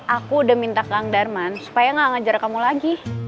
aku udah minta kang darman supaya gak ngajar kamu lagi